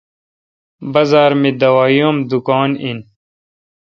بازار می دوای ام دکان این۔